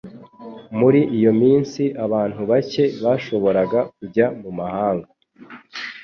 Muri iyo minsi, abantu bake bashoboraga kujya mu mahanga.